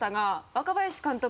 若林監督。